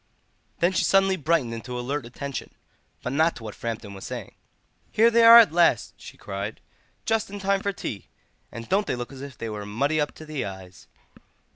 Then she suddenly brightened into alert attention—but not to what Framton was saying. "Here they are at last!" she cried. "Just in time for tea, and don't they look as if they were muddy up to the eyes!"